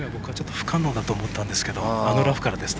不可能だと思ったんですけどあのラフからですと。